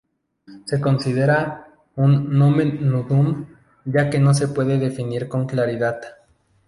Se considera un "nomen nudum", ya que no se puede definir con claridad.